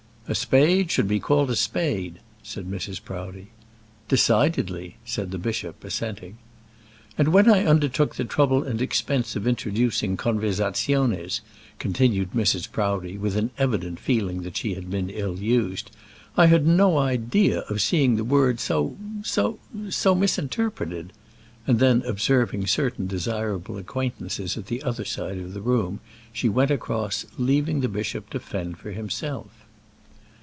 "A spade should be called a spade," said Mrs. Proudie. "Decidedly," said the bishop, assenting. "And when I undertook the trouble and expense of introducing conversaziones," continued Mrs. Proudie, with an evident feeling that she had been ill used, "I had no idea of seeing the word so so so misinterpreted;" and then observing certain desirable acquaintances at the other side of the room, she went across, leaving the bishop to fend for himself.